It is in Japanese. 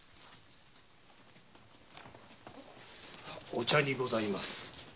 お茶にございます。